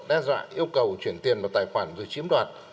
đe dọa yêu cầu chuyển tiền vào tài khoản rồi chiếm đoạt